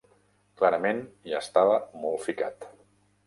Clarament hi estava molt ficat.